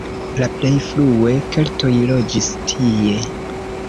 La plej frue keltoj loĝis tie.